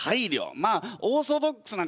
まあオーソドックスな返しです。